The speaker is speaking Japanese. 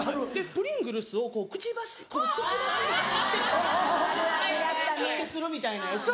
プリングルズをこうくちばしくちばしみたいにしてチュってするみたいなやつを。